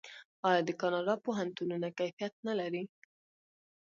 آیا د کاناډا پوهنتونونه کیفیت نلري؟